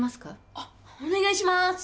あっお願いします